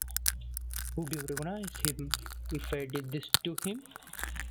Would you recognize him if I did "this" to him?